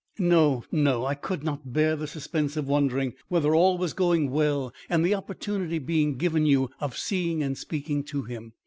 "No, no. I could not bear the suspense of wondering whether all was going well and the opportunity being given you of seeing and speaking to him.